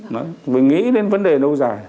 mình nghĩ đến vấn đề lâu dài